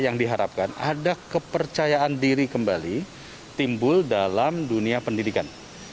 yang diharapkan ada kepercayaan diri kembali timbul dalam dunia pendidikan